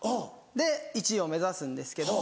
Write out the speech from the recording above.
で１位を目指すんですけど。